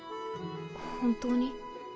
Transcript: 本当に？